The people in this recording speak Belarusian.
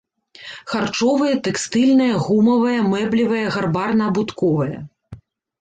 Харчовая, тэкстыльная, гумавая, мэблевая, гарбарна-абутковая.